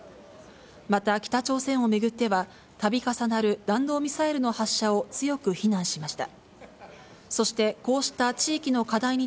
また北朝鮮を巡っては、たび重なる弾道ミサイルの発射を強く非難しました。